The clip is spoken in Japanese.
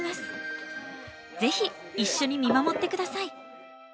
ぜひ一緒に見守って下さい。